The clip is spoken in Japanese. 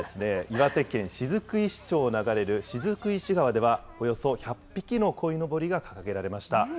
岩手県雫石町を流れる雫石川では、およそ１００匹のこいのぼりが掲げられました。